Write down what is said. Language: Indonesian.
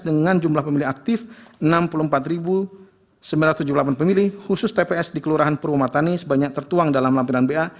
dengan jumlah pemilih aktif enam puluh empat sembilan ratus tujuh puluh delapan pemilih khusus tps di kelurahan perumahani sebanyak tertuang dalam lampiran ba